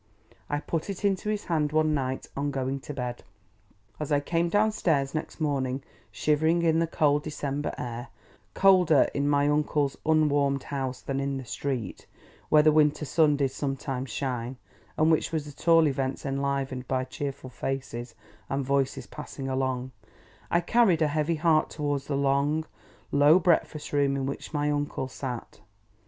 I put it into his hand one night, on going to bed. As I came down stairs next morning, shivering in the cold December air; colder in my uncle's unwarmed house than in the street, where the winter sun did sometimes shine, and which was at all events enlivened by cheerful faces and voices passing along; I carried a heavy heart towards the long, low breakfast room in which my uncle sat.